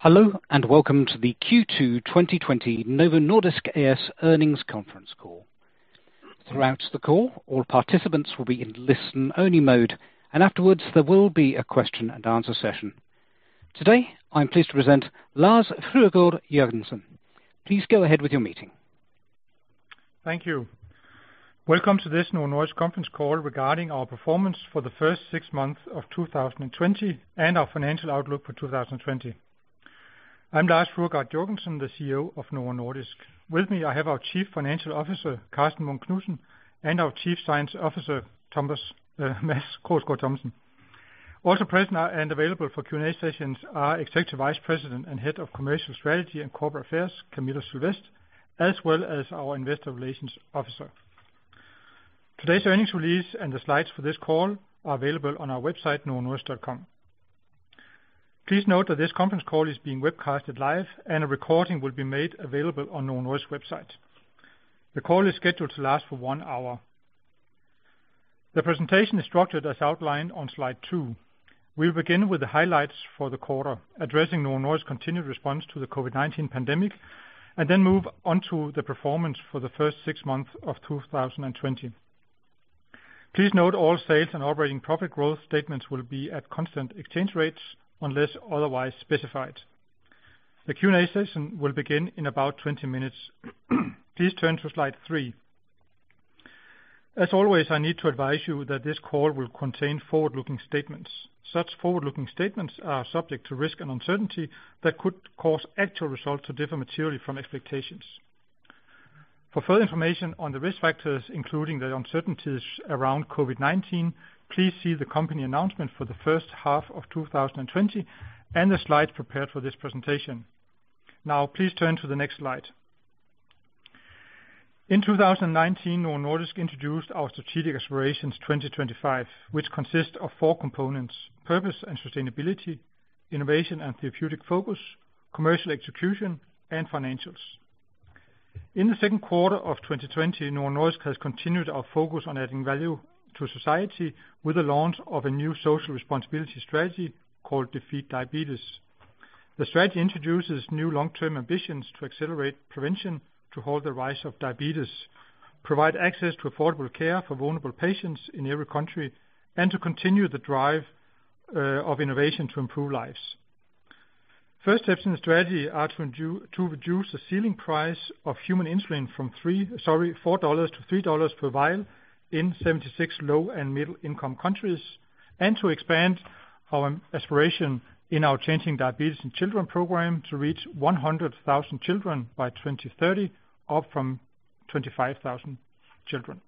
Hello. Welcome to the Q2 2020 Novo Nordisk A/S earnings conference call. Throughout the call, all participants will be in listen-only mode. Afterwards, there will be a question and answer session. Today, I'm pleased to present Lars Fruergaard Jørgensen. Please go ahead with your meeting. Thank you. Welcome to this Novo Nordisk conference call regarding our performance for the first six months of 2020 and our financial outlook for 2020. I'm Lars Fruergaard Jørgensen, the CEO of Novo Nordisk. With me, I have our Chief Financial Officer, Karsten Munk Knudsen, and our Chief Science Officer, Mads Krogsgaard Thomsen. Also present and available for Q&A sessions are Executive Vice President and Head of Commercial Strategy and Corporate Affairs, Camilla Sylvest, as well as our Investor Relations Officer. Today's earnings release and the slides for this call are available on our website, novonordisk.com. Please note that this conference call is being webcasted live, and a recording will be made available on Novo Nordisk's website. The call is scheduled to last for one hour. The presentation is structured as outlined on slide two. We'll begin with the highlights for the quarter, addressing Novo Nordisk's continued response to the COVID-19 pandemic, move onto the performance for the first six months of 2020. Please note all sales and operating profit growth statements will be at constant exchange rates unless otherwise specified. The Q&A session will begin in about 20 minutes. Please turn to slide three. As always, I need to advise you that this call will contain forward-looking statements. Such forward-looking statements are subject to risk and uncertainty that could cause actual results to differ materially from expectations. For further information on the risk factors, including the uncertainties around COVID-19, please see the company announcement for the first half of 2020 and the slides prepared for this presentation. Please turn to the next slide. In 2019, Novo Nordisk introduced our Strategic Aspirations 2025, which consist of four components: purpose and sustainability, innovation and therapeutic focus, commercial execution, and financials. In the second quarter of 2020, Novo Nordisk has continued our focus on adding value to society with the launch of a new social responsibility strategy called Defeat Diabetes. The strategy introduces new long-term ambitions to accelerate prevention to halt the rise of diabetes, provide access to affordable care for vulnerable patients in every country, and to continue the drive of innovation to improve lives. First steps in the strategy are to reduce the ceiling price of human insulin from three, sorry, $4-$3 per vial in 76 low and middle-income countries, and to expand our aspiration in our Changing Diabetes in Children program to reach 100,000 children by 2030, up from 25,000 children.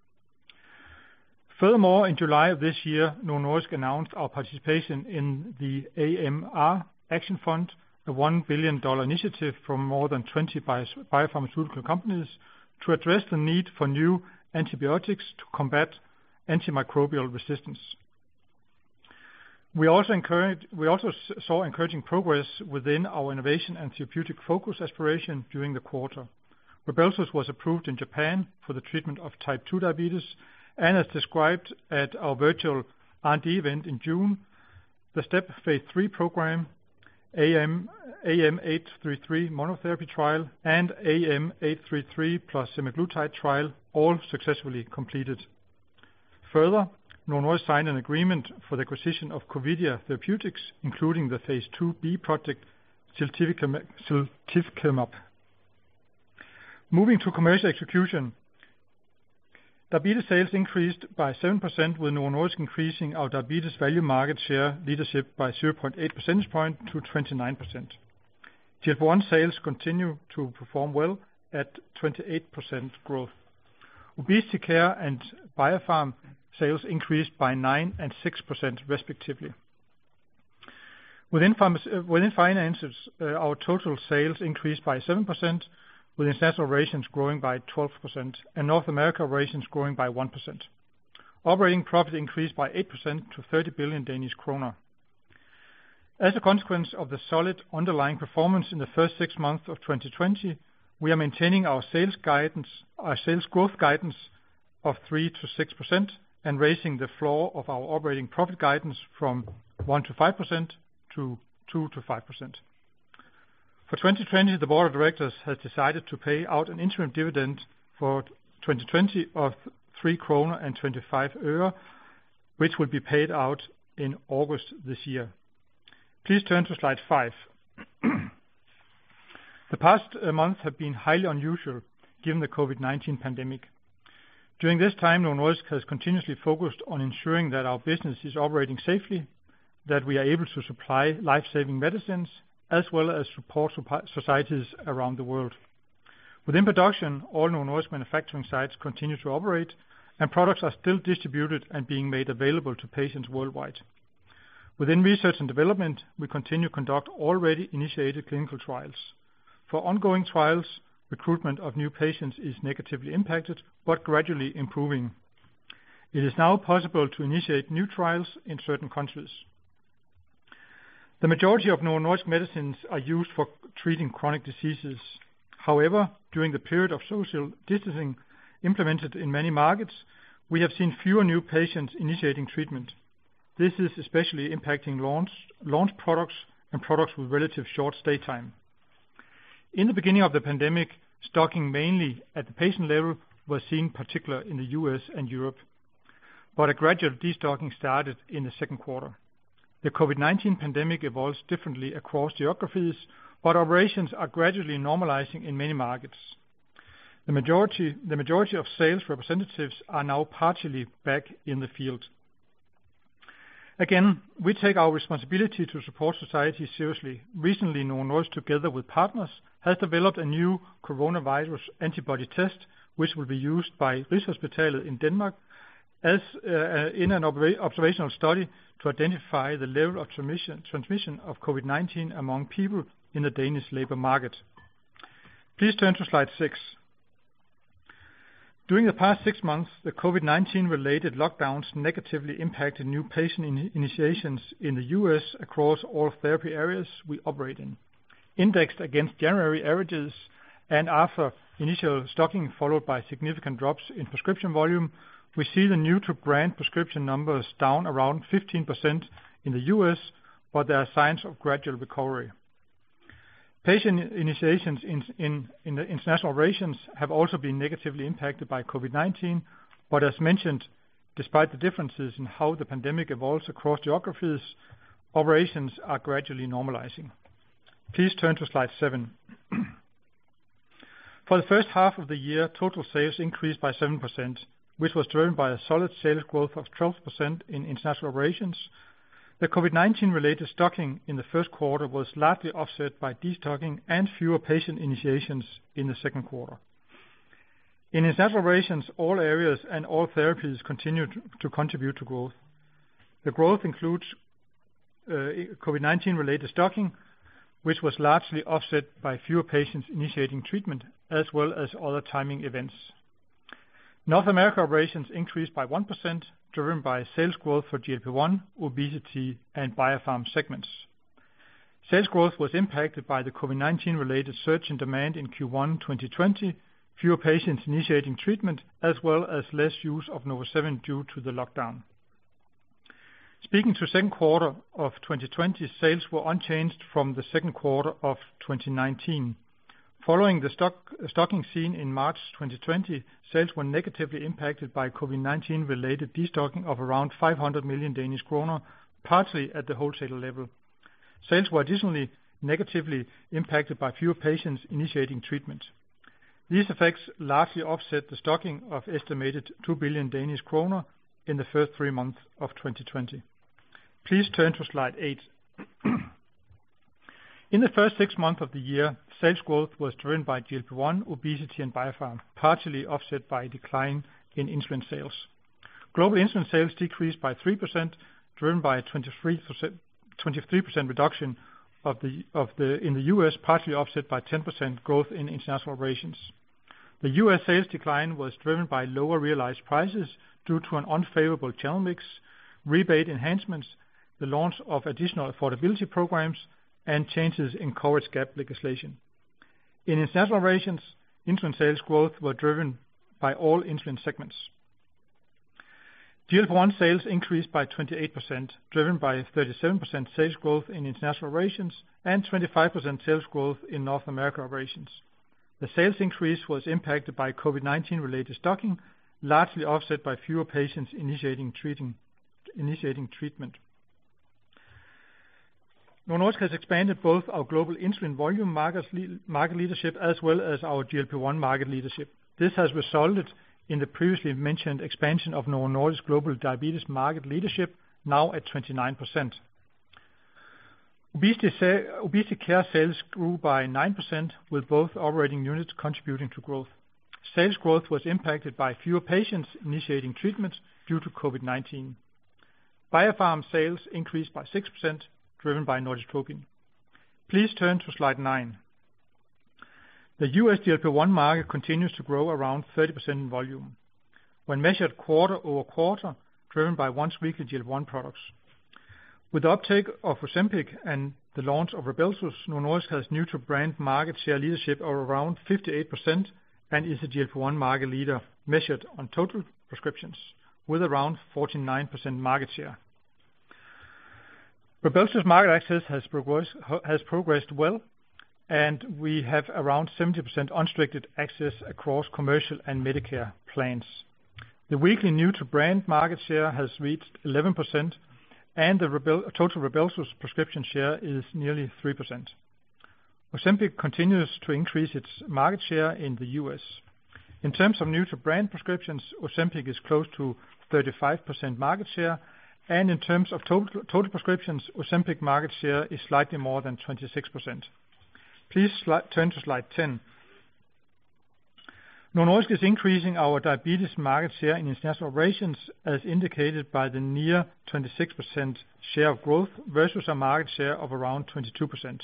Furthermore, in July of this year, Novo Nordisk announced our participation in the AMR Action Fund, a $1 billion initiative from more than 20 biopharmaceutical companies, to address the need for new antibiotics to combat antimicrobial resistance. We also saw encouraging progress within our innovation and therapeutic focus aspiration during the quarter. Rybelsus was approved in Japan for the treatment of type two diabetes, and as described at our virtual R&D event in June, the STEP phase III program, AM833 monotherapy trial, and AM833 plus semaglutide trial all successfully completed. Further, Novo Nordisk signed an agreement for the acquisition of Corvidia Therapeutics, including the phase II-B project, ziltivekimab. Moving to commercial execution, diabetes sales increased by 7% with Novo Nordisk increasing our diabetes value market share leadership by 0.8 percentage point to 29%. GLP-1 sales continue to perform well at 28% growth. Obesity Care and Biopharm sales increased by 9% and 6% respectively. Within finances, our total sales increased by 7%, with international operations growing by 12% and North America operations growing by 1%. Operating profit increased by 8% to 30 billion Danish kroner. As a consequence of the solid underlying performance in the first six months of 2020, we are maintaining our sales growth guidance of 3%-6% and raising the floor of our operating profit guidance from 1%-5% to 2%-5%. For 2020, the board of directors has decided to pay out an interim dividend for 2020 of DKK 3.25, which will be paid out in August this year. Please turn to slide five. The past months have been highly unusual given the COVID-19 pandemic. During this time, Novo Nordisk has continuously focused on ensuring that our business is operating safely, that we are able to supply life-saving medicines, as well as support societies around the world. Within production, all Novo Nordisk manufacturing sites continue to operate, and products are still distributed and being made available to patients worldwide. Within research and development, we continue to conduct already initiated clinical trials. For ongoing trials, recruitment of new patients is negatively impacted but gradually improving. It is now possible to initiate new trials in certain countries. The majority of Novo Nordisk medicines are used for treating chronic diseases. However, during the period of social distancing implemented in many markets, we have seen fewer new patients initiating treatment. This is especially impacting launch products and products with relative short stay time. In the beginning of the pandemic, stocking mainly at the patient level was seen particular in the U.S. and Europe, a gradual de-stocking started in the second quarter. The COVID-19 pandemic evolves differently across geographies, operations are gradually normalizing in many markets. The majority of sales representatives are now partially back in the field. Again, we take our responsibility to support society seriously. Recently, Novo Nordisk, together with partners, has developed a new coronavirus antibody test, which will be used by Rigshospitalet in Denmark in an observational study to identify the level of COVID-19 transmission among people in the Danish labor market. Please turn to Slide six. During the past six months, the COVID-19 related lockdowns negatively impacted new patient initiations in the U.S. across all therapy areas we operate in. Indexed against January averages and after initial stocking followed by significant drops in prescription volume, we see the new to brand prescription numbers down around 15% in the U.S., but there are signs of gradual recovery. Patient initiations in the international operations have also been negatively impacted by COVID-19, but as mentioned, despite the differences in how the pandemic evolves across geographies, operations are gradually normalizing. Please turn to Slide seven. For the first half of the year, total sales increased by 7%, which was driven by a solid sales growth of 12% in international operations. The COVID-19 related stocking in the first quarter was largely offset by de-stocking and fewer patient initiations in the second quarter. In international operations, all areas and all therapies continued to contribute to growth. The growth includes COVID-19 related stocking, which was largely offset by fewer patients initiating treatment as well as other timing events. North America operations increased by 1%, driven by sales growth for GLP-1, obesity, and biopharm segments. Sales growth was impacted by the COVID-19 related surge in demand in Q1 2020, fewer patients initiating treatment, as well as less use of NovoSeven due to the lockdown. Speaking to second quarter of 2020, sales were unchanged from the second quarter of 2019. Following the stocking seen in March 2020, sales were negatively impacted by COVID-19 related de-stocking of around 500 million Danish kroner, partly at the wholesaler level. Sales were additionally negatively impacted by fewer patients initiating treatment. These effects largely offset the stocking of estimated 2 billion Danish kroner in the first three months of 2020. Please turn to slide eight. In the first six months of the year, sales growth was driven by GLP-1, obesity, and biopharm, partially offset by a decline in insulin sales. Global insulin sales decreased by 3%, driven by a 23% reduction in the U.S., partly offset by 10% growth in international operations. The U.S. sales decline was driven by lower realized prices due to an unfavorable channel mix, rebate enhancements, the launch of additional affordability programs, and changes in coverage gap legislation. In international operations, insulin sales growth were driven by all insulin segments. GLP-1 sales increased by 28%, driven by 37% sales growth in international operations and 25% sales growth in North America operations. The sales increase was impacted by COVID-19 related stocking, largely offset by fewer patients initiating treatment. Novo Nordisk has expanded both our global insulin volume market leadership as well as our GLP-1 market leadership. This has resulted in the previously mentioned expansion of Novo Nordisk global diabetes market leadership, now at 29%. Obesity care sales grew by 9% with both operating units contributing to growth. Sales growth was impacted by fewer patients initiating treatment due to COVID-19. Biopharm sales increased by 6%, driven by Norditropin. Please turn to slide nine. The U.S. GLP-1 market continues to grow around 30% in volume when measured quarter-over-quarter, driven by once-weekly GLP-1 products. With the uptake of Ozempic and the launch of Rybelsus, Novo Nordisk has new to brand market share leadership of around 58% and is the GLP-1 market leader measured on total prescriptions with around 49% market share. Rybelsus market access has progressed well, and we have around 70% unrestricted access across commercial and Medicare plans. The weekly new to brand market share has reached 11%, and the total Rybelsus prescription share is nearly 3%. Ozempic continues to increase its market share in the U.S. In terms of new to brand prescriptions, Ozempic is close to 35% market share, and in terms of total prescriptions, Ozempic market share is slightly more than 26%. Please turn to slide 10. Novo Nordisk is increasing our diabetes market share in international operations, as indicated by the near 26% share of growth versus a market share of around 22%.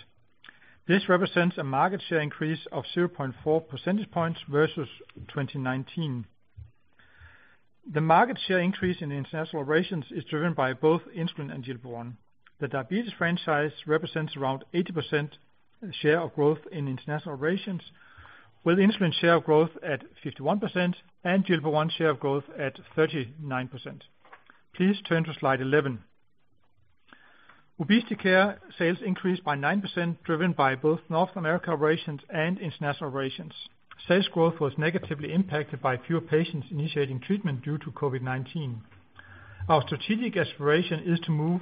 This represents a market share increase of 0.4 percentage points versus 2019. The market share increase in international operations is driven by both insulin and GLP-1. The diabetes franchise represents around 80% share of growth in international operations, with insulin share of growth at 51% and GLP-1 share of growth at 39%. Please turn to slide 11. Obesity care sales increased by 9%, driven by both North America operations and international operations. Sales growth was negatively impacted by fewer patients initiating treatment due to COVID-19. Our strategic aspiration is to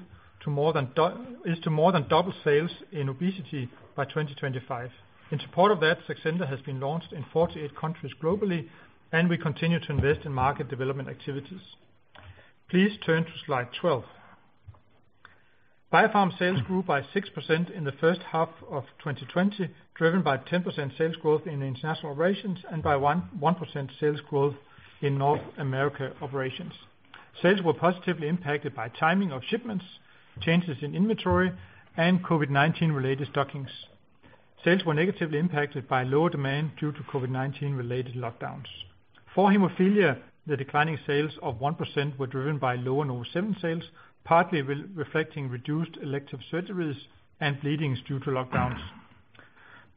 more than double sales in obesity by 2025. In support of that, Saxenda has been launched in 48 countries globally, and we continue to invest in market development activities. Please turn to slide 12. Biopharm sales grew by 6% in the first half of 2020, driven by 10% sales growth in international operations and by 1% sales growth in North America operations. Sales were positively impacted by timing of shipments, changes in inventory, and COVID-19 related stockings. Sales were negatively impacted by lower demand due to COVID-19 related lockdowns. For hemophilia, the declining sales of 1% were driven by low NovoSeven sales, partly reflecting reduced elective surgeries and bleedings due to lockdowns,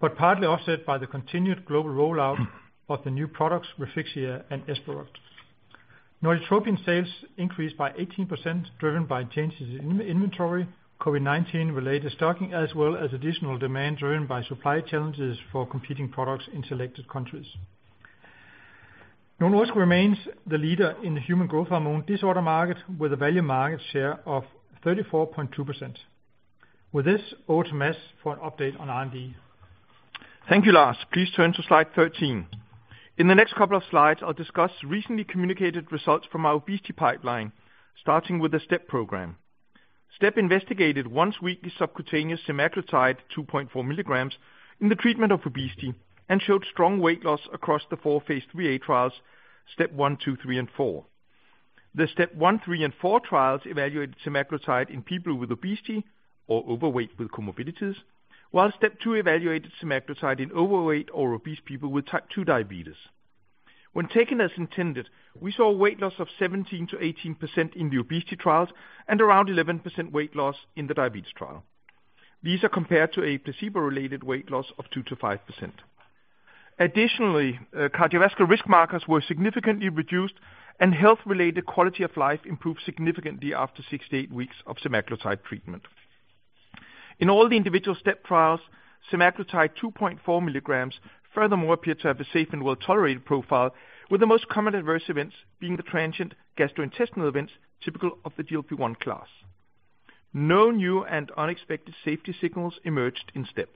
but partly offset by the continued global rollout of the new products, Refixia and ESPEROCT. Norditropin sales increased by 18%, driven by changes in inventory, COVID-19-related stocking, as well as additional demand driven by supply challenges for competing products in selected countries. Novo Nordisk remains the leader in the human growth hormone disorder market, with a value market share of 34.2%. With this, over to Mads for an update on R&D. Thank you, Lars. Please turn to slide 13. In the next couple of slides, I'll discuss recently communicated results from our obesity pipeline, starting with the STEP program. STEP investigated once-weekly subcutaneous semaglutide 2.4 mg in the treatment of obesity and showed strong weight loss across the four phase III-A trials, STEP one, two, three, and four. The STEP one, three, and four trials evaluated semaglutide in people with obesity or overweight with comorbidities. While STEP two evaluated semaglutide in overweight or obese people with type two diabetes. When taken as intended, we saw a weight loss of 17%-18% in the obesity trials and around 11% weight loss in the diabetes trial. These are compared to a placebo-related weight loss of 2%-5%. Additionally, cardiovascular risk markers were significantly reduced, and health-related quality of life improved significantly after 68 weeks of semaglutide treatment. In all the individual STEP trials, semaglutide 2.4 mg furthermore appeared to have a safe and well-tolerated profile, with the most common adverse events being the transient gastrointestinal events typical of the GLP-1 class. No new and unexpected safety signals emerged in STEP.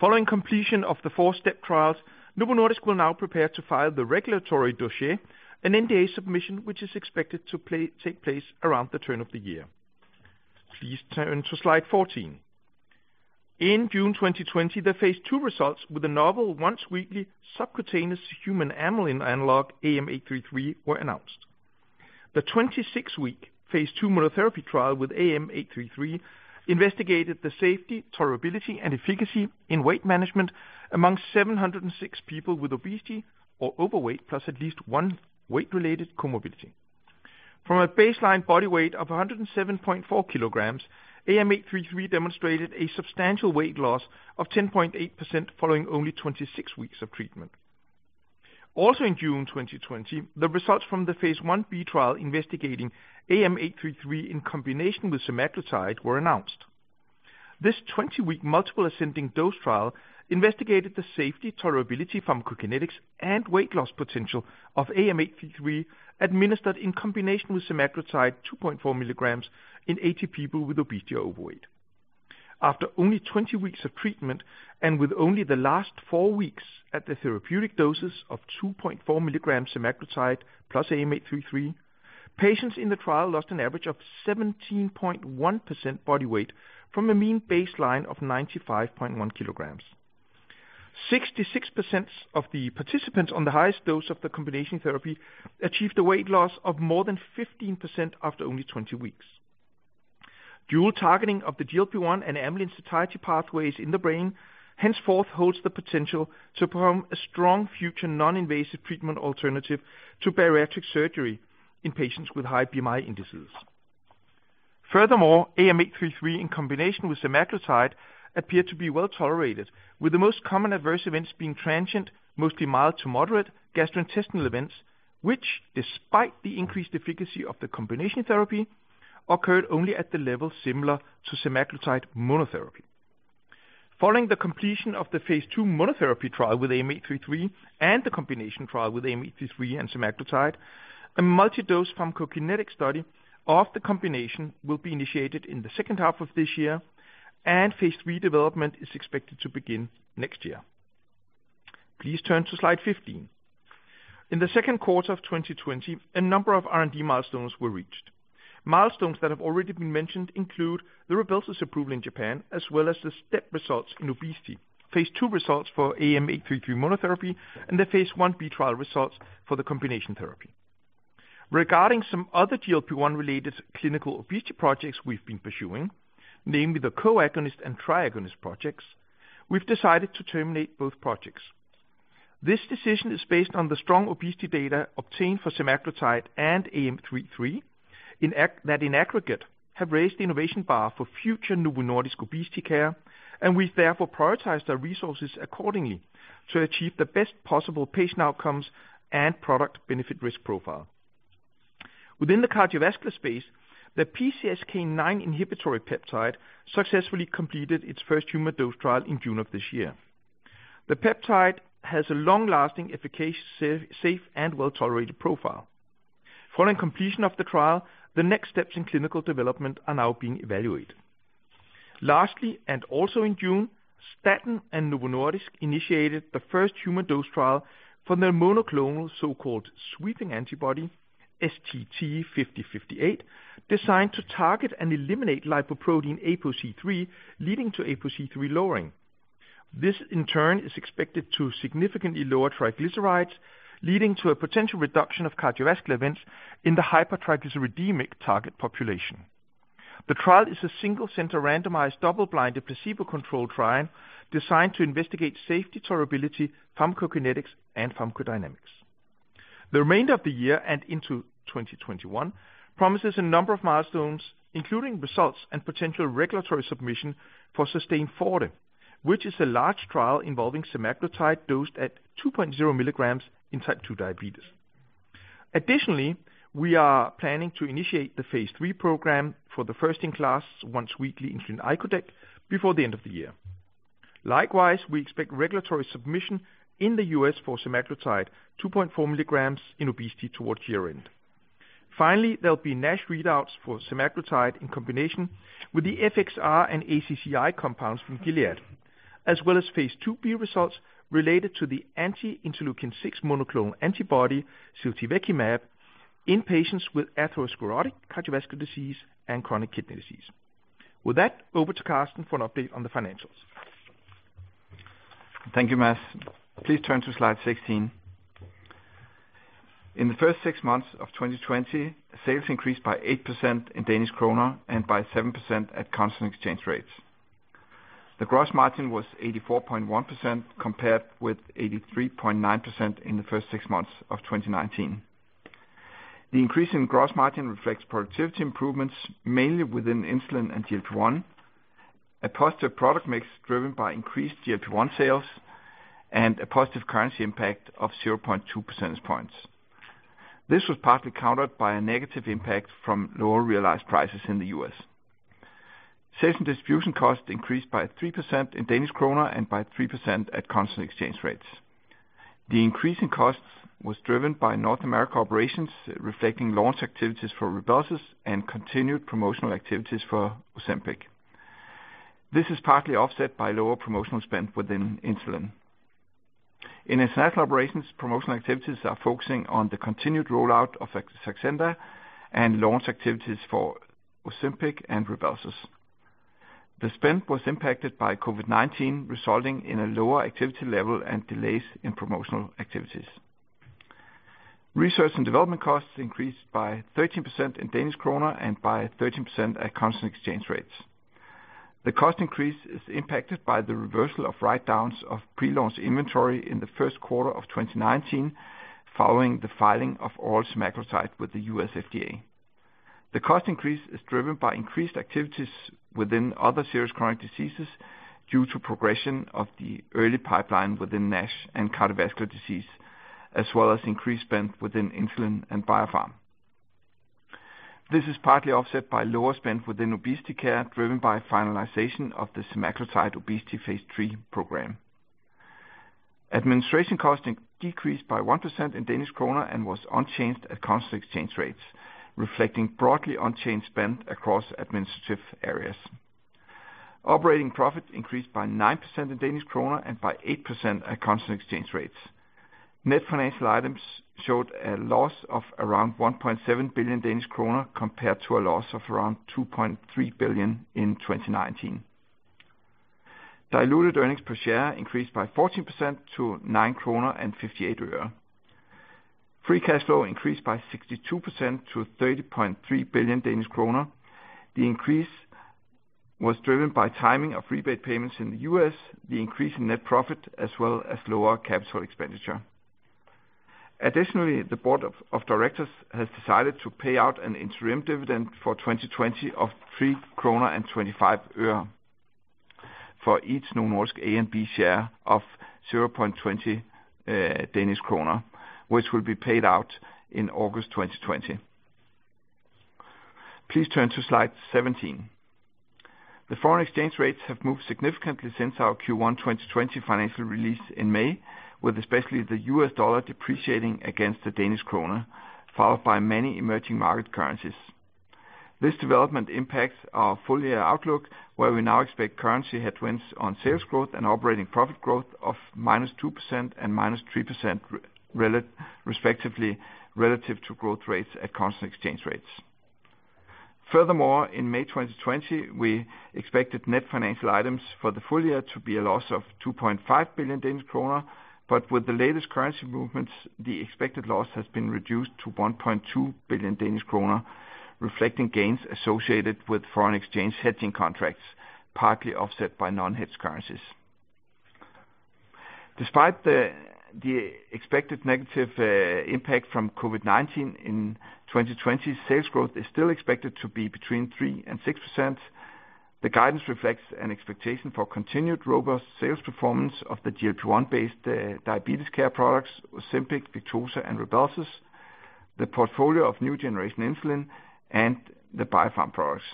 Following completion of the four STEP trials, Novo Nordisk will now prepare to file the regulatory dossier, an NDA submission, which is expected to take place around the turn of the year. Please turn to slide 14. In June 2020, the phase II results with the novel once-weekly subcutaneous human amylin analog, AM833, were announced. The 26-week phase II monotherapy trial with AM833 investigated the safety, tolerability, and efficacy in weight management among 706 people with obesity or overweight, plus at least one weight-related comorbidity. From a baseline body weight of 107.4 kg, AM833 demonstrated a substantial weight loss of 10.8% following only 26 weeks of treatment. In June 2020, the results from the phase I-B trial investigating AM833 in combination with semaglutide were announced. This 20-week multiple-ascending dose trial investigated the safety, tolerability, pharmacokinetics, and weight loss potential of AM833 administered in combination with semaglutide 2.4 mg in 80 people with obesity or overweight. After only 20 weeks of treatment, and with only the last four weeks at the therapeutic doses of 2.4 mg semaglutide plus AM833, patients in the trial lost an average of 17.1% body weight from a mean baseline of 95.1 kg. 66% of the participants on the highest dose of the combination therapy achieved a weight loss of more than 15% after only 20 weeks. Dual targeting of the GLP-1 and amylin satiety pathways in the brain henceforth holds the potential to become a strong future non-invasive treatment alternative to bariatric surgery in patients with high BMI indices. Furthermore, AM833 in combination with semaglutide appeared to be well-tolerated, with the most common adverse events being transient, mostly mild to moderate gastrointestinal events, which despite the increased efficacy of the combination therapy, occurred only at the level similar to semaglutide monotherapy. Following the completion of the phase II monotherapy trial with AM833 and the combination trial with AM833 and semaglutide, a multi-dose pharmacokinetic study of the combination will be initiated in the second half of this year, and phase III development is expected to begin next year. Please turn to slide 15. In the second quarter of 2020, a number of R&D milestones were reached. Milestones that have already been mentioned include the Rybelsus approval in Japan as well as the STEP results in obesity, phase II results for AM833 monotherapy, and the phase I-B trial results for the combination therapy. Regarding some other GLP-1 related clinical obesity projects we've been pursuing, namely the co-agonist and triagonist projects, we've decided to terminate both projects. This decision is based on the strong obesity data obtained for semaglutide and AM833, that in aggregate have raised the innovation bar for future Novo Nordisk obesity care, we therefore prioritize their resources accordingly to achieve the best possible patient outcomes and product benefit risk profile. Within the cardiovascular space, the PCSK9 inhibitory peptide successfully completed its first human dose trial in June of this year. The peptide has a long-lasting efficacy, safe, and well-tolerated profile. Following completion of the trial, the next steps in clinical development are now being evaluated. Lastly, and also in June, Staten and Novo Nordisk initiated the first human dose trial for their monoclonal so-called sweeping antibody, SGT-5058, designed to target and eliminate lipoprotein APOC3, leading to APOC3 lowering. This, in turn, is expected to significantly lower triglycerides, leading to a potential reduction of cardiovascular events in the hypertriglyceridemic target population. The trial is a single center randomized double-blind, a placebo-controlled trial designed to investigate safety tolerability, pharmacokinetics, and pharmacodynamics. The remainder of the year and into 2021 promises a number of milestones, including results and potential regulatory submission for SUSTAIN FORTE, which is a large trial involving semaglutide dosed at 2.0 mg in type two diabetes. Additionally, we are planning to initiate the phase III program for the first in class once weekly insulin icodec before the end of the year. Likewise, we expect regulatory submission in the U.S. for semaglutide 2.4 mg in obesity towards year-end. There'll be NASH readouts for semaglutide in combination with the FXR and ACC compounds from Gilead, as well as phase II-B results related to the anti-interleukin six monoclonal antibody, ziltivekimab, in patients with atherosclerotic cardiovascular disease and chronic kidney disease. With that, over to Karsten for an update on the financials. Thank you, Mads. Please turn to slide 16. In the first six months of 2020, sales increased by 8% in Danish krone and by 7% at constant exchange rates. The gross margin was 84.1%, compared with 83.9% in the first six months of 2019. The increase in gross margin reflects productivity improvements, mainly within insulin and GLP-1. A positive product mix driven by increased GLP-1 sales and a positive currency impact of 0.2 percentage points. This was partly countered by a negative impact from lower realized prices in the U.S. Sales and distribution costs increased by 3% in Danish krone and by 3% at constant exchange rates. The increase in costs was driven by North America operations, reflecting launch activities for Rybelsus and continued promotional activities for Ozempic. This is partly offset by lower promotional spend within insulin. In international operations, promotional activities are focusing on the continued rollout of Saxenda and launch activities for Ozempic and Rybelsus. The spend was impacted by COVID-19, resulting in a lower activity level and delays in promotional activities. Research and development costs increased by 13% in Danish krone and by 13% at constant exchange rates. The cost increase is impacted by the reversal of write-downs of pre-launch inventory in the first quarter of 2019, following the filing of oral semaglutide with the U.S. FDA. The cost increase is driven by increased activities within other serious chronic diseases due to progression of the early pipeline within NASH and cardiovascular disease, as well as increased spend within insulin and biopharm. This is partly offset by lower spend within obesity care, driven by finalization of the semaglutide obesity phase III program. Administration costing decreased by 1% in DKK and was unchanged at constant exchange rates, reflecting broadly unchanged spend across administrative areas. Operating profit increased by 9% in Danish krone and by 8% at constant exchange rates. Net financial items showed a loss of around 1.7 billion Danish kroner compared to a loss of around 2.3 billion in 2019. Diluted earnings per share increased by 14% to DKK 9.58. Free cash flow increased by 62% to 30.3 billion Danish kroner. The increase was driven by timing of rebate payments in the U.S., the increase in net profit, as well as lower capital expenditure. Additionally, the board of directors has decided to pay out an interim dividend for 2020 of DKK 3.25 for each Novo Nordisk A and B share of 0.20 Danish kroner, which will be paid out in August 2020. Please turn to slide 17. The foreign exchange rates have moved significantly since our Q1 2020 financial release in May, with especially the U.S. dollar depreciating against the Danish krone, followed by many emerging market currencies. This development impacts our full year outlook, where we now expect currency headwinds on sales growth and operating profit growth of minus 2% and minus 3% respectively, relative to growth rates at constant exchange rates. In May 2020, we expected net financial items for the full year to be a loss of 2.5 billion Danish kroner. With the latest currency movements, the expected loss has been reduced to 1.2 billion Danish kroner, reflecting gains associated with foreign exchange hedging contracts, partly offset by non-hedge currencies. Despite the expected negative impact from COVID-19 in 2020, sales growth is still expected to be between 3% and 6%. The guidance reflects an expectation for continued robust sales performance of the GLP-1 based diabetes care products, Ozempic, Victoza, and Rybelsus, the portfolio of new generation insulin, and the biopharm products.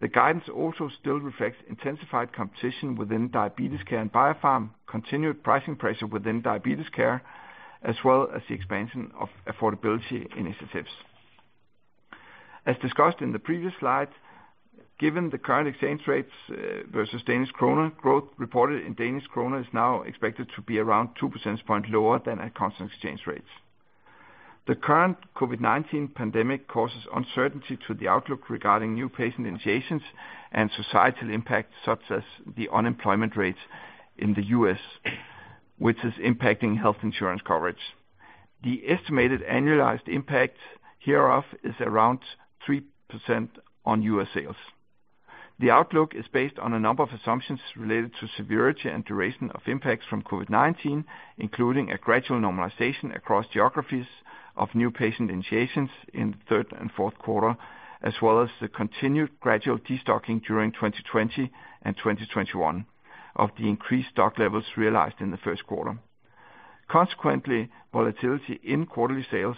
The guidance also still reflects intensified competition within diabetes care and biopharm, continued pricing pressure within diabetes care, as well as the expansion of affordability initiatives. As discussed in the previous slide, given the current exchange rates versus Danish krone, growth reported in Danish krone is now expected to be around 2 percentage point lower than at constant exchange rates. The current COVID-19 pandemic causes uncertainty to the outlook regarding new patient initiations and societal impact such as the unemployment rate in the U.S., which is impacting health insurance coverage. The estimated annualized impact hereof is around 3% on U.S. sales. The outlook is based on a number of assumptions related to severity and duration of impacts from COVID-19, including a gradual normalization across geographies of new patient initiations in the third and fourth quarter, as well as the continued gradual de-stocking during 2020 and 2021 of the increased stock levels realized in the first quarter. Consequently, volatility in quarterly sales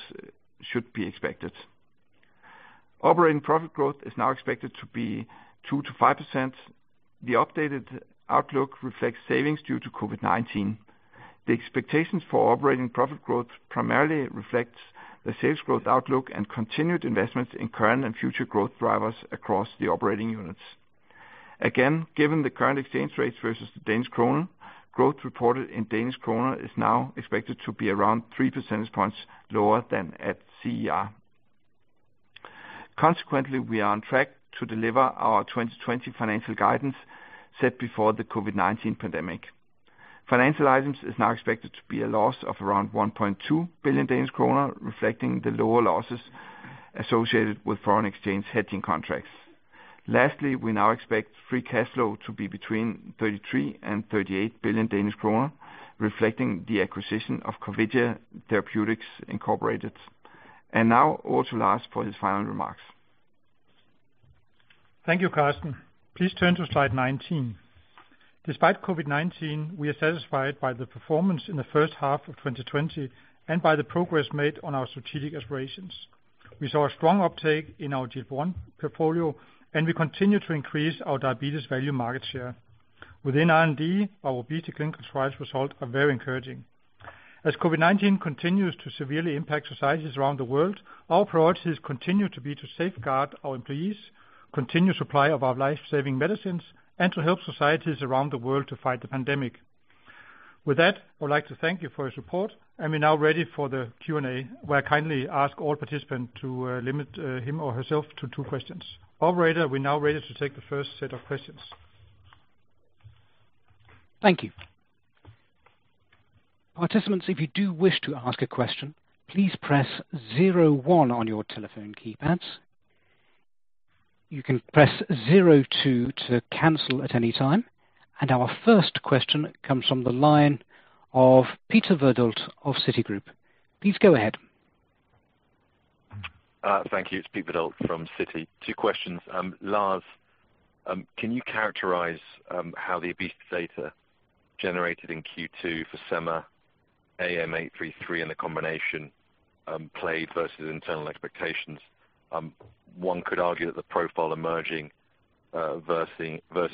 should be expected. Operating profit growth is now expected to be 2%-5%. The updated outlook reflects savings due to COVID-19. The expectations for operating profit growth primarily reflects the sales growth outlook and continued investments in current and future growth drivers across the operating units. Again, given the current exchange rates versus the Danish krone, growth reported in Danish krone is now expected to be around three percentage points lower than at CER. Consequently, we are on track to deliver our 2020 financial guidance set before the COVID-19 pandemic. Financial items is now expected to be a loss of around 1.2 billion Danish kroner, reflecting the lower losses associated with foreign exchange hedging contracts. Lastly, we now expect free cash flow to be between 33 billion and 38 billion Danish kroner, reflecting the acquisition of Corvidia Therapeutics Incorporated. Now, over to Lars for his final remarks. Thank you, Karsten. Please turn to slide 19. Despite COVID-19, we are satisfied by the performance in the first half of 2020 and by the progress made on our strategic aspirations. We saw a strong uptake in our GLP-1 portfolio. We continue to increase our diabetes value market share. Within R&D, our obesity clinical trials results are very encouraging. As COVID-19 continues to severely impact societies around the world, our priorities continue to be to safeguard our employees, continue supply of our life-saving medicines, and to help societies around the world to fight the pandemic. With that, I would like to thank you for your support, and we're now ready for the Q&A, where I kindly ask all participants to limit him or herself to two questions. Operator, we're now ready to take the first set of questions. Thank you. Participants, if you do wish to ask a question, please press zero one on your telephone keypads. You can press zero two to cancel at any time. Our first question comes from the line of Peter Verdult of Citigroup. Please go ahead. Thank you. It's Peter Verdult from Citi. Two questions. Lars, can you characterize how the obesity data generated in Q2 for sema, AM833, and the combination played versus internal expectations? One could argue that the profile emerging versus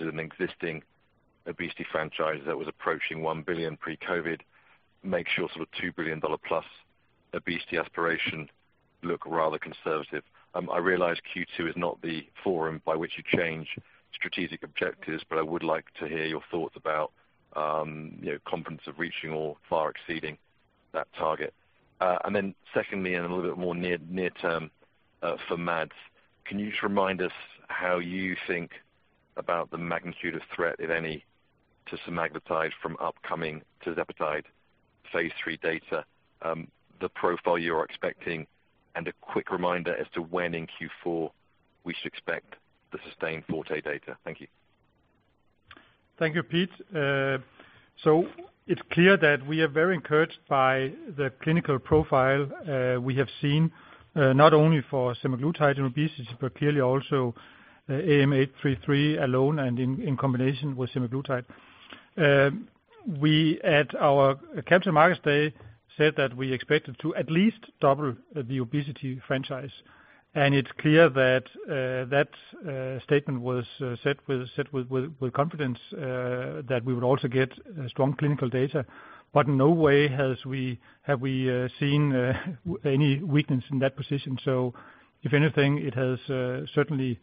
an existing obesity franchise that was approaching 1 billion pre-COVID makes your sort of DKK 2 billion plus obesity aspiration look rather conservative. I realize Q2 is not the forum by which you change strategic objectives, but I would like to hear your thoughts about confidence of reaching or far exceeding that target. Secondly, a little bit more near term for Mads, can you just remind us how you think about the magnitude of threat, if any, to semaglutide from upcoming tirzepatide phase III data, the profile you're expecting, and a quick reminder as to when in Q4 we should expect the SUSTAIN FORTE data? Thank you. Thank you, Pete. It's clear that we are very encouraged by the clinical profile we have seen, not only for semaglutide and obesity, but clearly also AM833 alone and in combination with semaglutide. We at our Capital Markets Day said that we expected to at least double the obesity franchise, and it's clear that that statement was set with confidence that we would also get strong clinical data. No way have we seen any weakness in that position. If anything, it has certainly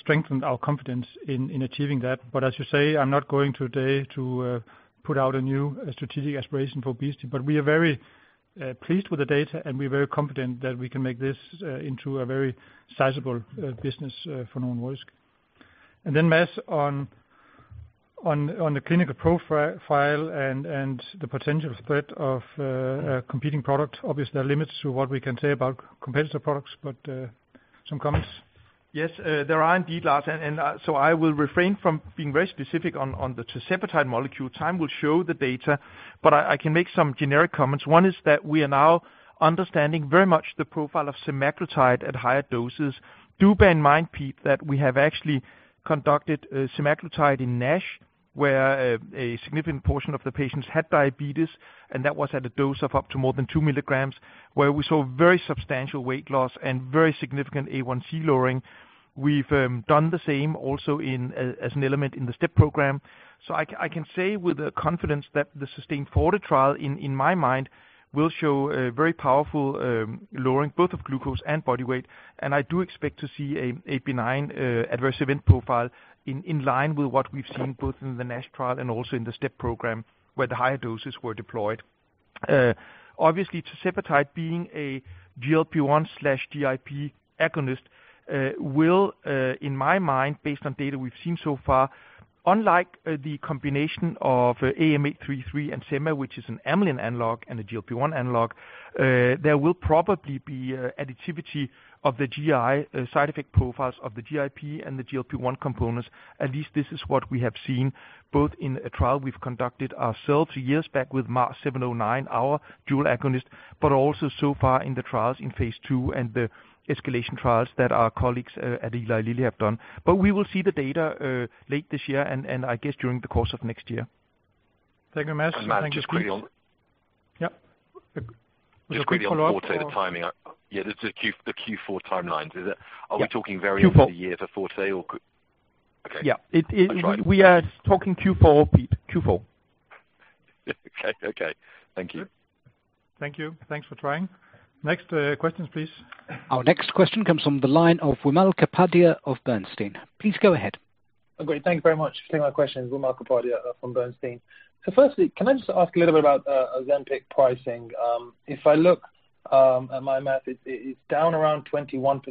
strengthened our confidence in achieving that. As you say, I'm not going today to put out a new strategic aspiration for obesity. We are very pleased with the data, and we're very confident that we can make this into a very sizable business for Novo Nordisk. Mads on the clinical profile and the potential threat of competing products. Obviously, there are limits to what we can say about competitor products. Some comments? Yes, there are indeed, Lars. I will refrain from being very specific on the tirzepatide molecule. Time will show the data. I can make some generic comments. One is that we are now understanding very much the profile of semaglutide at higher doses. Do bear in mind, Pete, that we have actually conducted semaglutide in NASH, where a significant portion of the patients had diabetes, and that was at a dose of up to more than 2 mg, where we saw very substantial weight loss and very significant A1C lowering. We've done the same also as an element in the STEP program. I can say with confidence that the SUSTAIN FORTE trial in my mind will show a very powerful lowering both of glucose and body weight. I do expect to see a benign adverse event profile in line with what we've seen both in the NASH trial and also in the STEP program, where the higher doses were deployed. Tirzepatide being a GLP-1/GIP agonist will, in my mind, based on data we've seen so far, unlike the combination of AM833 and sema, which is an amylin analog and a GLP-1 analog, there will probably be additivity of the GI side effect profiles of the GIP and the GLP-1 components. At least this is what we have seen both in a trial we've conducted ourselves years back with MAR709, our dual agonist, but also so far in the trials in phase II and the escalation trials that our colleagues at Eli Lilly have done. We will see the data late this year and I guess during the course of next year. Thank you, Mads. Mads. Yeah. Just quickly on Forte, the timing. Yeah, just the Q4 timelines. Yeah. Q4. Are we talking very end of the year for Forte or? Okay. Yeah. That's right. We are talking Q4, Pete. Q4. Okay. Thank you. Thank you. Thanks for trying. Next questions, please. Our next question comes from the line of Wimal Kapadia of Bernstein. Please go ahead. Great. Thank you very much. Wimal Kapadia from Bernstein. Firstly, can I just ask a little bit about Ozempic pricing? If I look at my math, it's down around 21%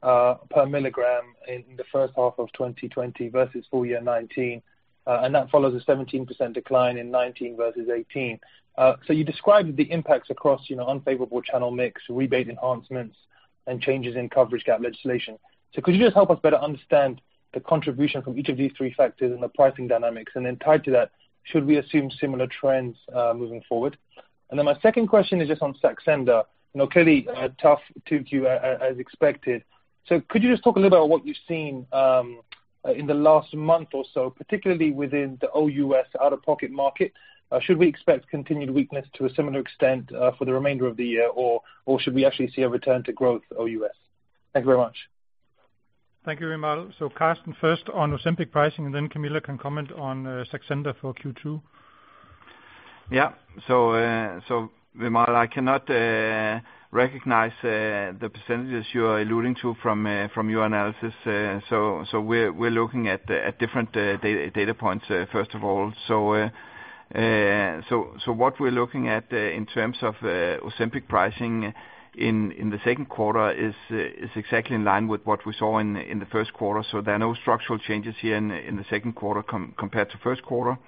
per milligram in the first half of 2020 versus full year 2019. That follows a 17% decline in 2019 versus 2018. You described the impacts across unfavorable channel mix, rebate enhancements, and changes in coverage gap legislation. Could you just help us better understand the contribution from each of these three factors and the pricing dynamics? Tied to that, should we assume similar trends moving forward? My second question is just on Saxenda. Clearly a tough Q2 as expected. Could you just talk a little about what you've seen in the last month or so, particularly within the OUS out-of-pocket market? Should we expect continued weakness to a similar extent for the remainder of the year, or should we actually see a return to growth OUS? Thank you very much. Thank you, Wimal. Karsten, first on Ozempic pricing, and then Camilla can comment on Saxenda for Q2. Yeah. Wimal, I cannot recognize the % you are alluding to from your analysis. We're looking at different data points, first of all. What we're looking at in terms of Ozempic pricing in the second quarter is exactly in line with what we saw in the first quarter. There are no structural changes here in the second quarter compared to first quarter.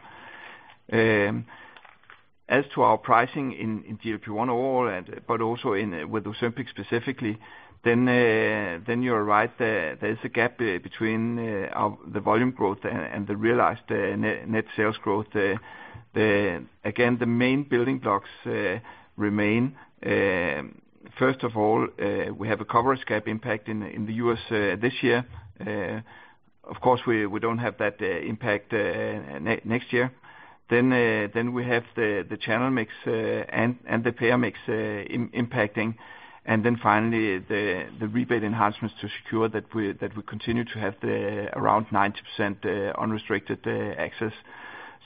As to our pricing in GLP-1 overall, but also with Ozempic specifically, you are right, there is a gap between the volume growth and the realized net sales growth. Again, the main building blocks remain. First of all, we have a coverage gap impact in the U.S. this year. Of course, we don't have that impact next year. We have the channel mix and the payer mix impacting. Finally, the rebate enhancements to secure that we continue to have around 90% unrestricted access.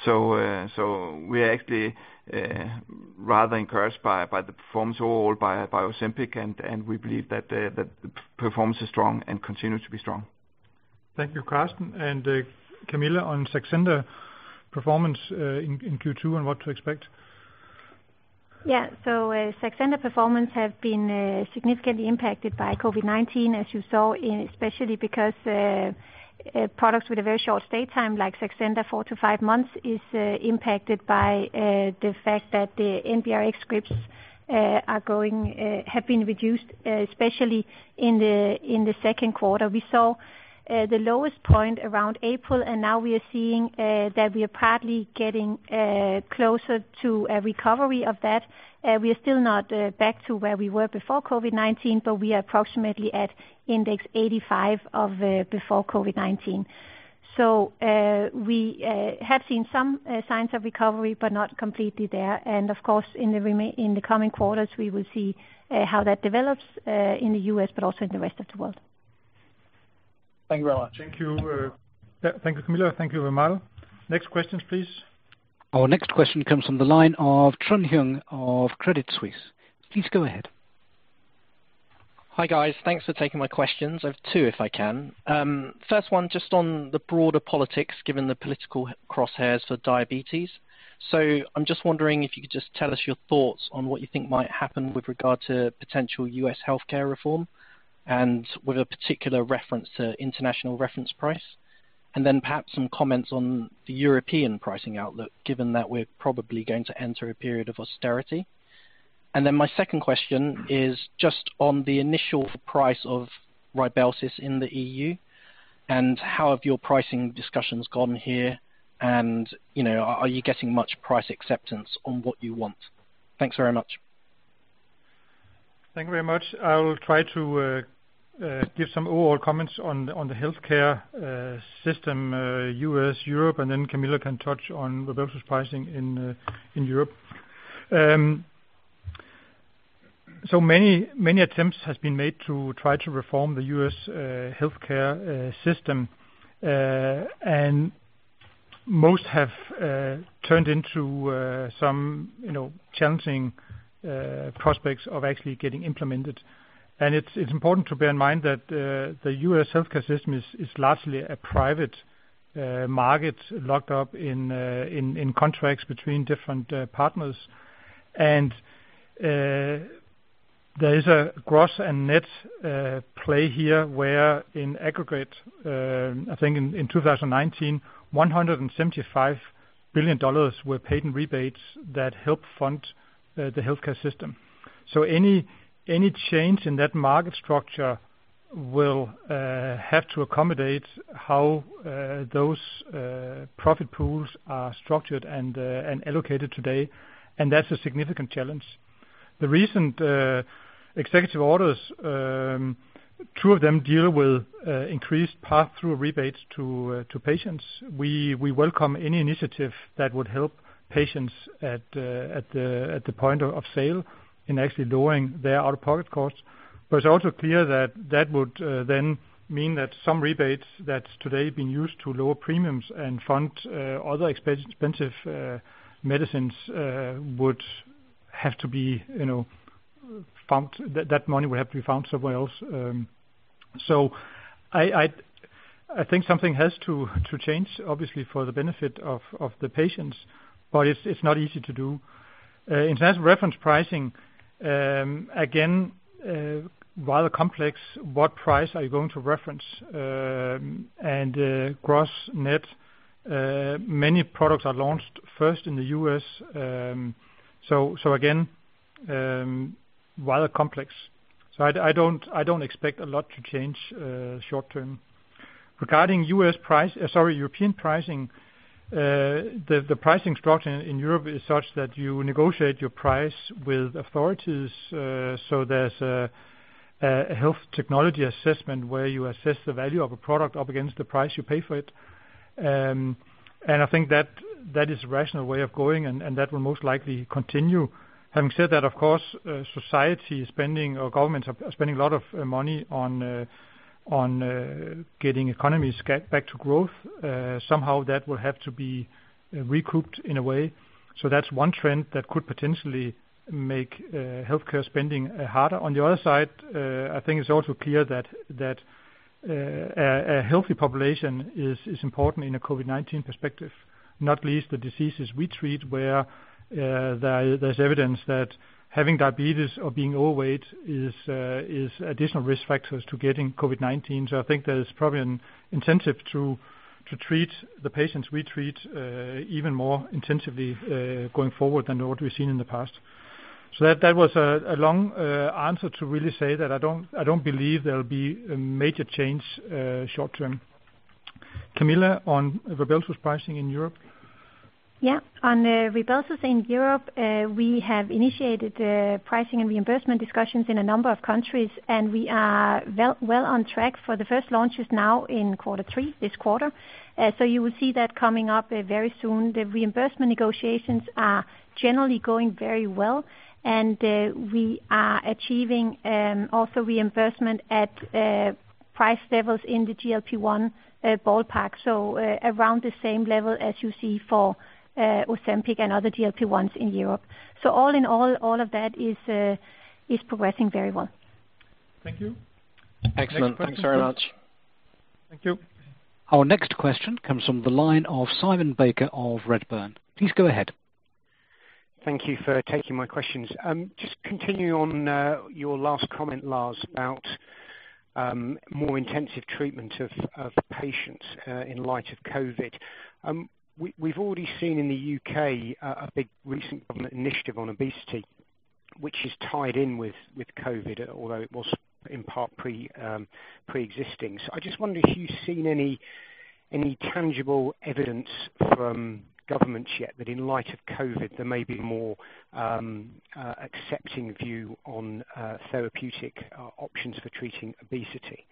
We are actually rather encouraged by the performance overall by Ozempic, and we believe that the performance is strong and continues to be strong. Thank you, Karsten. Camilla, on Saxenda performance in Q2 and what to expect. Yeah. Saxenda performance have been significantly impacted by COVID-19, as you saw, especially because products with a very short stay time, like Saxenda, four to five months, is impacted by the fact that the NRx scripts have been reduced, especially in the second quarter. We saw the lowest point around April, and now we are seeing that we are partly getting closer to a recovery of that. We are still not back to where we were before COVID-19, but we are approximately at index 85 of before COVID-19. We have seen some signs of recovery, but not completely there. Of course, in the coming quarters, we will see how that develops in the U.S., but also in the rest of the world. Thank you very much. Thank you. Thank you, Camilla. Thank you, Wimal. Next questions, please. Our next question comes from the line of Trung Huynh of Credit Suisse. Please go ahead. Hi, guys. Thanks for taking my questions. I have two, if I can. First one, just on the broader politics, given the political crosshairs for diabetes. I'm just wondering if you could just tell us your thoughts on what you think might happen with regard to potential U.S. healthcare reform, and with a particular reference to international reference price. Perhaps some comments on the European pricing outlook, given that we're probably going to enter a period of austerity. My second question is just on the initial price of Rybelsus in the EU, and how have your pricing discussions gone here, and are you getting much price acceptance on what you want? Thanks very much. Thank you very much. I will try to give some overall comments on the healthcare system, U.S., Europe, and then Camilla can touch on Rybelsus pricing in Europe. Many attempts has been made to try to reform the U.S. healthcare system, and most have turned into some challenging prospects of actually getting implemented. It's important to bear in mind that the U.S. healthcare system is largely a private market locked up in contracts between different partners. There is a gross and net play here where in aggregate, I think in 2019, DKK 175 billion were paid in rebates that help fund the healthcare system. Any change in that market structure will have to accommodate how those profit pools are structured and allocated today, and that's a significant challenge. The recent executive orders, two of them deal with increased pass-through rebates to patients. We welcome any initiative that would help patients at the point of sale in actually lowering their out-of-pocket costs. It's also clear that that would then mean that some rebates that's today been used to lower premiums and fund other expensive medicines would have to be found, that money would have to be found somewhere else. I think something has to change, obviously, for the benefit of the patients, but it's not easy to do. International reference pricing, again, rather complex, what price are you going to reference? Gross net, many products are launched first in the U.S., so again, rather complex. I don't expect a lot to change short term. Regarding European pricing, the pricing structure in Europe is such that you negotiate your price with authorities, so there's a health technology assessment where you assess the value of a product up against the price you pay for it. I think that is a rational way of going, and that will most likely continue. Having said that, of course, society spending or governments are spending a lot of money on getting economies back to growth. Somehow that will have to be recouped in a way. That's one trend that could potentially make healthcare spending harder. On the other side, I think it's also clear that a healthy population is important in a COVID-19 perspective, not least the diseases we treat, where there's evidence that having diabetes or being overweight is additional risk factors to getting COVID-19. I think there's probably an incentive to treat the patients we treat even more intensively going forward than what we've seen in the past. That was a long answer to really say that I don't believe there'll be a major change short term. Camilla, on Rybelsus pricing in Europe? On Rybelsus in Europe, we have initiated pricing and reimbursement discussions in a number of countries. We are well on track for the first launches now in quarter three this quarter. You will see that coming up very soon. The reimbursement negotiations are generally going very well. We are achieving also reimbursement at price levels in the GLP-1 ballpark. Around the same level as you see for Ozempic and other GLP-1s in Europe. All in all of that is progressing very well. Thank you. Excellent. Thanks very much. Thank you. Our next question comes from the line of Simon Baker of Redburn. Please go ahead. Thank you for taking my questions. Just continuing on your last comment, Lars, about more intensive treatment of patients in light of COVID. We've already seen in the U.K. a big recent government initiative on obesity, which is tied in with COVID, although it was in part pre-existing. I just wonder if you've seen any tangible evidence from governments yet that in light of COVID, there may be more accepting view on therapeutic options for treating obesity.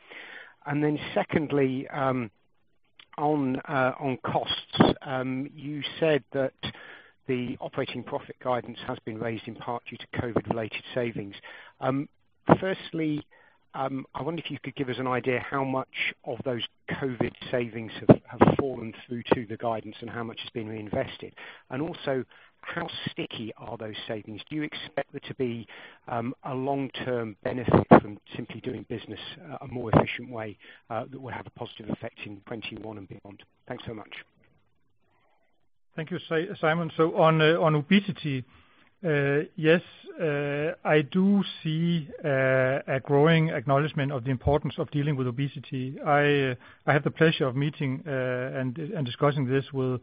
Secondly, on costs, you said that the operating profit guidance has been raised in part due to COVID-related savings. Firstly, I wonder if you could give us an idea how much of those COVID savings have fallen through to the guidance and how much is being reinvested. How sticky are those savings? Do you expect there to be a long-term benefit from simply doing business a more efficient way that will have a positive effect in 2021 and beyond? Thanks so much. Thank you, Simon. On obesity, yes. I do see a growing acknowledgment of the importance of dealing with obesity. I had the pleasure of meeting and discussing this with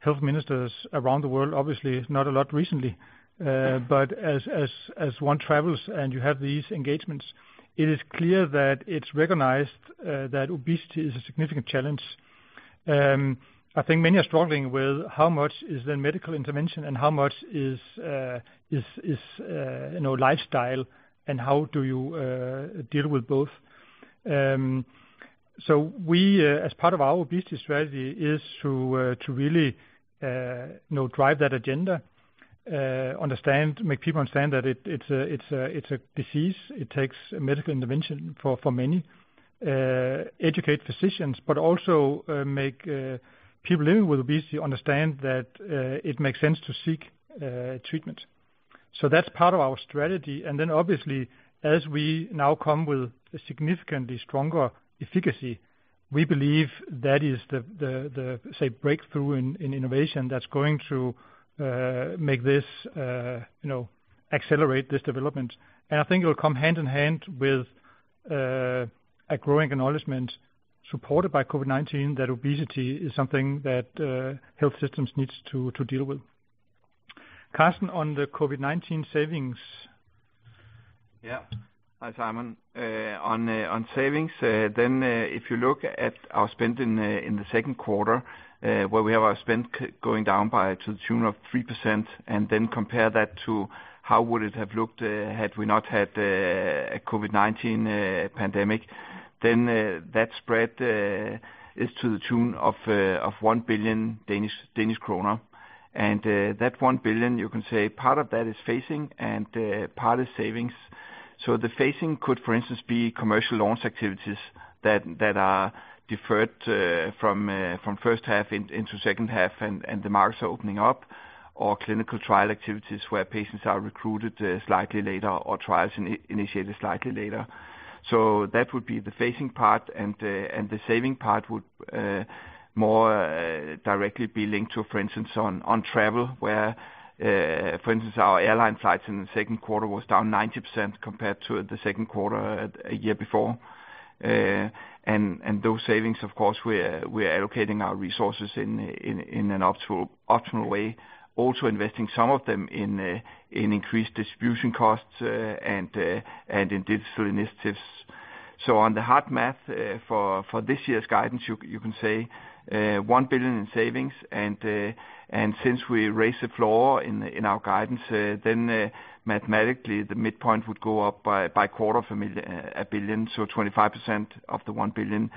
health ministers around the world. Obviously, not a lot recently. As one travels and you have these engagements, it is clear that it's recognized that obesity is a significant challenge. I think many are struggling with how much is then medical intervention and how much is lifestyle, and how do you deal with both. We, as part of our obesity strategy, is to really drive that agenda, make people understand that it's a disease. It takes medical intervention for many. Educate physicians, but also make people living with obesity understand that it makes sense to seek treatment. That's part of our strategy. Obviously, as we now come with a significantly stronger efficacy, we believe that is the, say, breakthrough in innovation that's going to accelerate this development. I think it will come hand in hand with a growing acknowledgment, supported by COVID-19, that obesity is something that health systems needs to deal with. Karsten, on the COVID-19 savings. Yeah. Hi, Simon. On savings, then if you look at our spend in the second quarter, where we have our spend going down by to the tune of 3% and then compare that to how would it have looked had we not had a COVID-19 pandemic, then that spread is to the tune of 1 billion Danish kroner. That 1 billion, you can say part of that is phasing and part is savings. The phasing could, for instance, be commercial launch activities that are deferred from first half into second half, and the markets are opening up, or clinical trial activities where patients are recruited slightly later, or trials initiated slightly later. That would be the phasing part, and the saving part would more directly be linked to, for instance, on travel, where, for instance, our airline flights in the second quarter was down 90% compared to the second quarter a year before. Those savings, of course, we're allocating our resources in an optimal way, also investing some of them in increased distribution costs and in digital initiatives. On the hard math for this year's guidance, you can say 1 billion in savings, and since we raised the floor in our guidance, then mathematically the midpoint would go up by DKK quarter of a billion. 25% of the 1 billion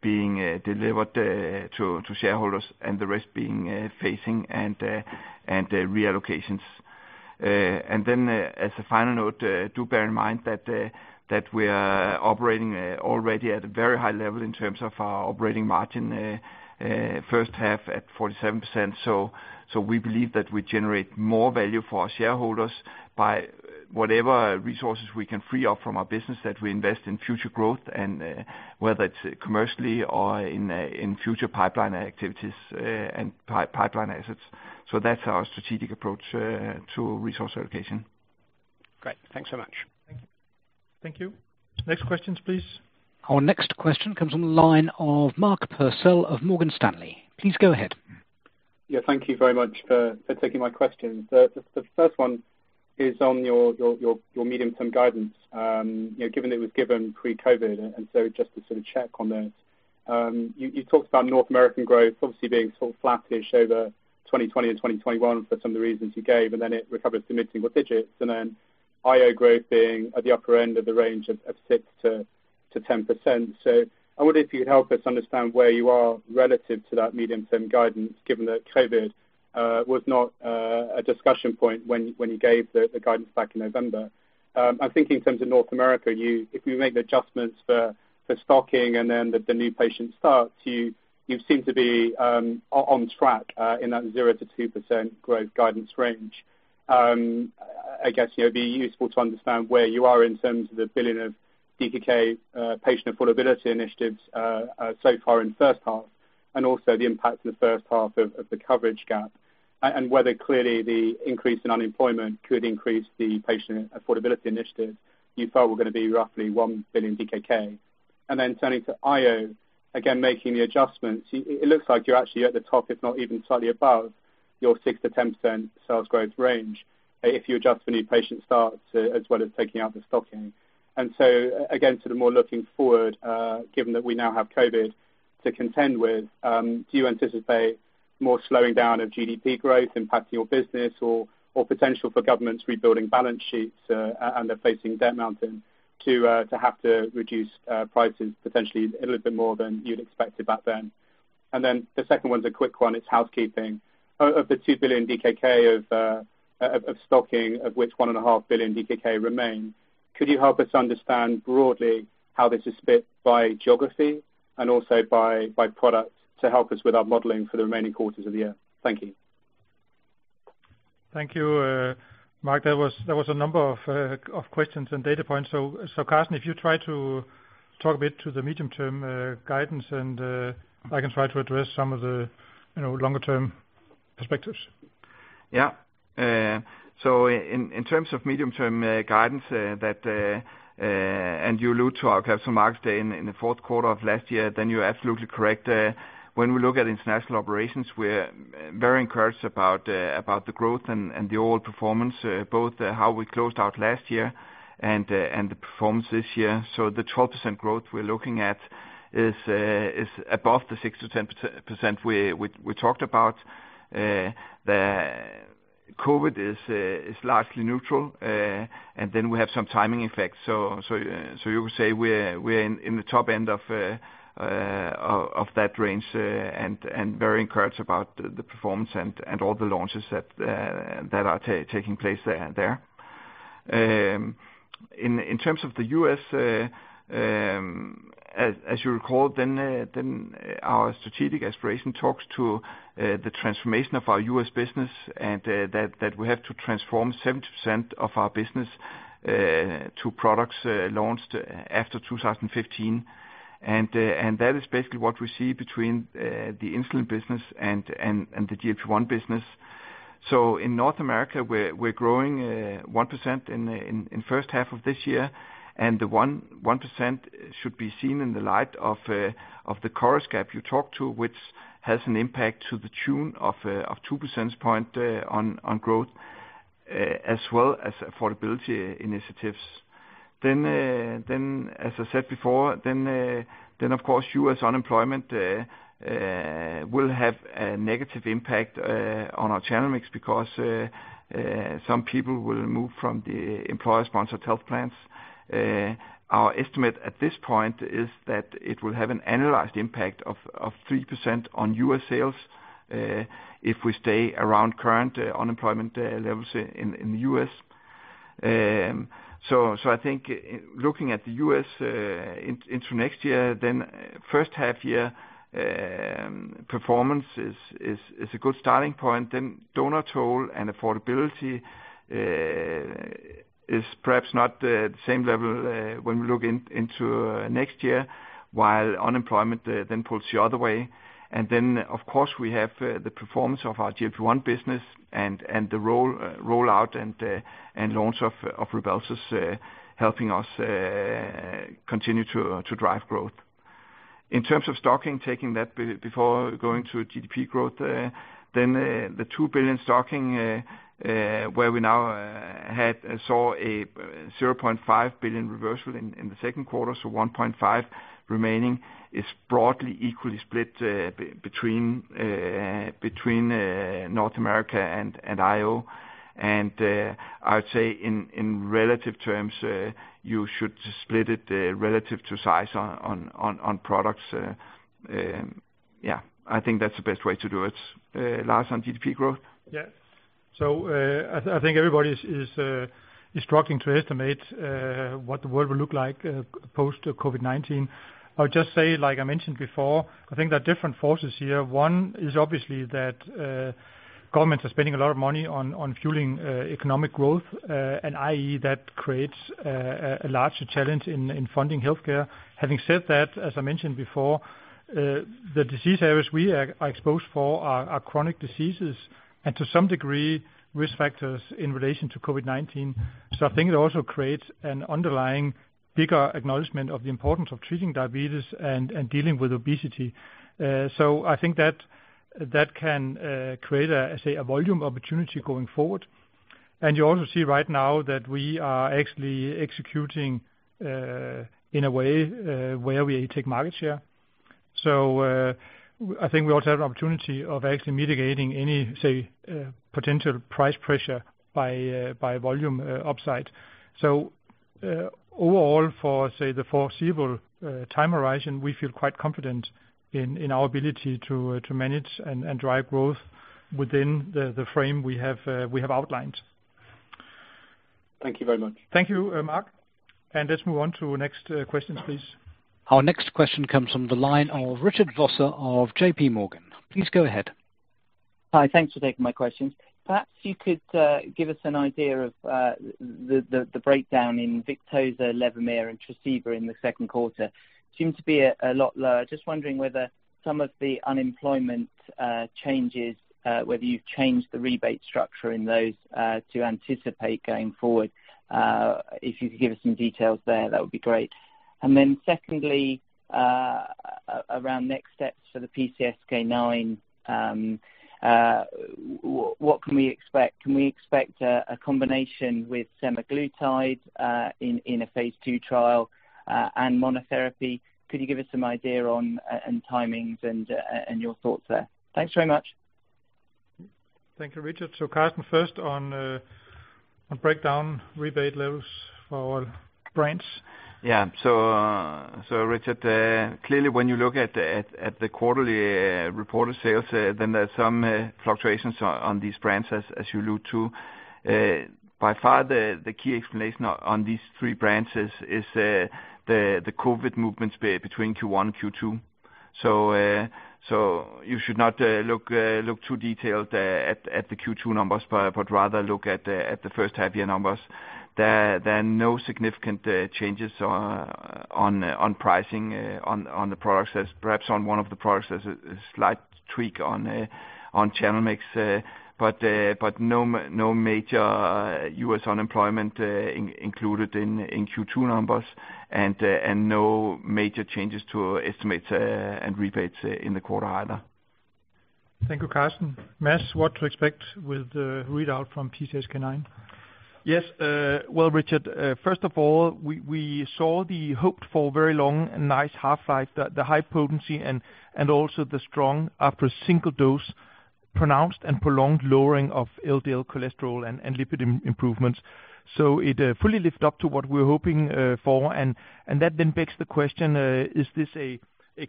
being delivered to shareholders and the rest being phasing and reallocations. As a final note, do bear in mind that we are operating already at a very high level in terms of our operating margin, first half at 47%. We believe that we generate more value for our shareholders by whatever resources we can free up from our business that we invest in future growth, and whether it's commercially or in future pipeline activities and pipeline assets. That's our strategic approach to resource allocation. Great. Thanks so much. Thank you. Next questions, please. Our next question comes on the line of Mark Purcell of Morgan Stanley. Please go ahead. Yeah. Thank you very much for taking my questions. The first one is on your medium-term guidance. Given it was given pre-COVID-19, and so just to sort of check on those. You talked about North American growth obviously being sort of flattish over 2020 and 2021 for some of the reasons you gave, and then it recovers to mid-single digits, and then IO growth being at the upper end of the range of 6%-10%. I wonder if you could help us understand where you are relative to that medium-term guidance, given that COVID-19 was not a discussion point when you gave the guidance back in November. I think in terms of North America, if you make the adjustments for stocking and then the new patient starts, you seem to be on track in that 0%-2% growth guidance range. I guess it'd be useful to understand where you are in terms of the billion of DKK patient affordability initiatives so far in the first half and also the impact in the first half of the coverage gap and whether, clearly, the increase in unemployment could increase the patient affordability initiatives you thought were going to be roughly 1 billion DKK. Turning to IO, again, making the adjustments, it looks like you're actually at the top, if not even slightly above your 6%-10% sales growth range if you adjust for new patient starts as well as taking out the stocking. Again, sort of more looking forward, given that we now have COVID to contend with, do you anticipate more slowing down of GDP growth impacting your business or potential for governments rebuilding balance sheets and are facing debt mountain to have to reduce prices potentially a little bit more than you'd expected back then? The second one's a quick one, it's housekeeping. Of the 2 billion DKK of stocking, of which one and a half billion DKK remain, could you help us understand broadly how this is split by geography and also by product to help us with our modeling for the remaining quarters of the year? Thank you. Thank you, Mark. That was a number of questions and data points. Karsten, if you try to talk a bit to the medium-term guidance and I can try to address some of the longer-term perspectives. Yeah. In terms of medium-term guidance, and you allude to our Capital Markets Day in the fourth quarter of last year, you're absolutely correct. When we look at international operations, we're very encouraged about the growth and the overall performance, both how we closed out last year and the performance this year. The 12% growth we're looking at is above the 6%-10% we talked about. The COVID is largely neutral, we have some timing effects. You could say we're in the top end of that range, and very encouraged about the performance and all the launches that are taking place there. In terms of the U.S., as you recall, our strategic aspiration talks to the transformation of our U.S. business and that we have to transform 70% of our business to products launched after 2015. That is basically what we see between the insulin business and the GLP-1 business. In North America, we are growing 1% in first half of this year, and the 1% should be seen in the light of the coverage gap you talked to, which has an impact to the tune of 2 percentage points on growth, as well as affordability initiatives. As I said before, then of course, U.S. unemployment will have a negative impact on our channel mix because some people will move from the employer-sponsored health plans. Our estimate at this point is that it will have an annualized impact of 3% on U.S. sales, if we stay around current unemployment levels in the U.S. I think looking at the U.S. into next year, first half year performance is a good starting point, donut hole and affordability is perhaps not at the same level when we look into next year, while unemployment pulls the other way. Of course, we have the performance of our GLP-1 business and the rollout and launch of Rybelsus helping us continue to drive growth. In terms of stocking, taking that before going to GDP growth, the 2 billion stocking, where we now saw a 0.5 billion reversal in the second quarter, 1.5 billion remaining is broadly equally split between North America and IO. I'd say in relative terms, you should split it relative to size on products. Yeah, I think that's the best way to do it. Lars, on GDP growth? Yeah. I think everybody is struggling to estimate what the world will look like post-COVID-19. I'll just say, like I mentioned before, I think there are different forces here. One is obviously that governments are spending a lot of money on fueling economic growth, and i.e., that creates a larger challenge in funding healthcare. Having said that, as I mentioned before, the disease areas we are exposed for are chronic diseases, and to some degree, risk factors in relation to COVID-19. I think it also creates an underlying bigger acknowledgment of the importance of treating diabetes and dealing with obesity. I think that can create a, say, volume opportunity going forward. You also see right now that we are actually executing in a way where we take market share. I think we also have an opportunity of actually mitigating any, say, potential price pressure by volume upside. Overall for, say, the foreseeable time horizon, we feel quite confident in our ability to manage and drive growth within the frame we have outlined. Thank you very much. Thank you, Mark. Let's move on to the next questions, please. Our next question comes from the line of Richard Vosser of JPMorgan. Please go ahead. Hi. Thanks for taking my question. Perhaps you could give us an idea of the breakdown in Victoza, Levemir, and Tresiba in the second quarter. Seems to be a lot lower. Just wondering whether some of the unemployment changes, whether you've changed the rebate structure in those to anticipate going forward. If you could give us some details there, that would be great. Secondly, around next steps for the PCSK9, what can we expect? Can we expect a combination with semaglutide in a phase II trial and monotherapy? Could you give us some idea on timings and your thoughts there? Thanks very much. Thank you, Richard. Karsten, first on breakdown rebate levels for all brands. Yeah. Richard, clearly when you look at the quarterly reported sales, there's some fluctuations on these brands as you allude to. By far, the key explanation on these three brands is the COVID movements between Q1 and Q2. You should not look too detailed at the Q2 numbers, but rather look at the first half-year numbers. There are no significant changes on pricing on the products. Perhaps on one of the products, there's a slight tweak on channel mix, no major U.S. unemployment included in Q2 numbers and no major changes to estimates and rebates in the quarter either. Thank you, Karsten. Mads, what to expect with the readout from PCSK9? Yes. Well, Richard, first of all, we saw the hoped for very long and nice half-life, the high potency and also the strong after a single dose, pronounced and prolonged lowering of LDL cholesterol and lipid improvements. It fully lived up to what we were hoping for, and that then begs the question: Is this a